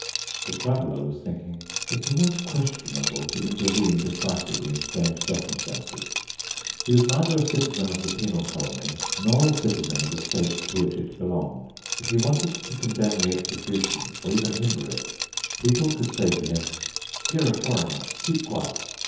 The Traveler was thinking: it's always questionable to intervene decisively in strange circumstances. He was neither a citizen of the penal colony nor a citizen of the state to which it belonged. If he wanted to condemn the execution or even hinder it, people could say to him: You're a foreigner—keep quiet.